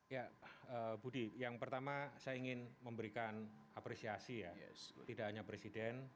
ya budi yang pertama saya ingin memberikan apresiasi ya tidak hanya presiden